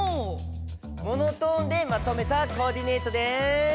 モノトーンでまとめたコーディネートです。